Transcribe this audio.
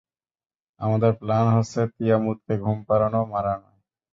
আমাদের প্ল্যান হচ্ছে তিয়ামুতকে ঘুম পাড়ানো, মারা নয়।